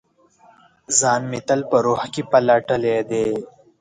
ځان مې تل په روح کې پلټلي دی